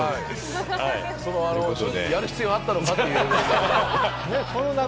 やる必要あったのか？という。